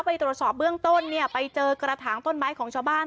ไปตรวจสอบเบื้องต้นเนี่ยไปเจอกระถางต้นไม้ของชาวบ้าน